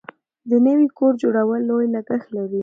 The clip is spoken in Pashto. د نوي کور جوړول لوی لګښت لري.